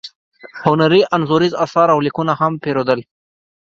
هنري انځوریز اثار او لیکونه یې هم پیرودل.